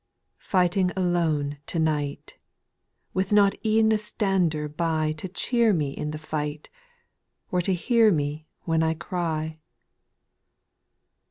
/ 5. Fighting alone to night, — With not e'en a stander by To cheer me in the fight, Or to hear me when I cry.